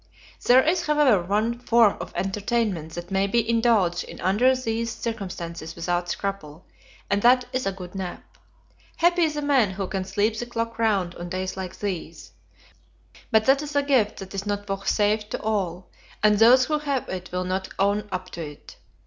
There is, however, one form of entertainment that may be indulged in under these circumstances without scruple, and that is a good nap. Happy the man who can sleep the clock round on days like these; but that is a gift that is not vouchsafed to all, and those who have it will not own up to it.